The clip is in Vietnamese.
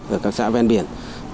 ở các xã ven biển